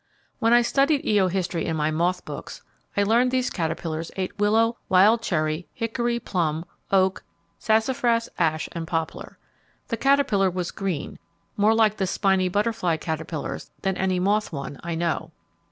When I studied Io history in my moth books, I learned these caterpillars ate willow, wild cherry, hickory, plum, oak, sassafras, ash, and poplar. The caterpillar was green, more like the spiny butterfly caterpillars than any moth one I know.